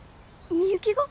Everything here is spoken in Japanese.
みゆきが？